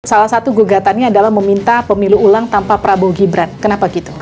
salah satu gugatannya adalah meminta pemilu ulang tanpa prabowo gibran kenapa gitu